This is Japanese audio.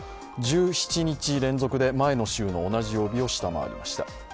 １７日連続で前の週の同じ曜日を下回りました。